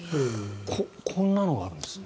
こんなのがあるんですね。